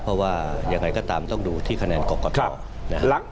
เพราะว่ายังไงก็ตามต้องดูที่คะแนนกรกตนะครับ